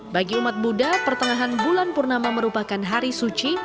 bagi umat buddha pertengahan bulan purnama merupakan hari suci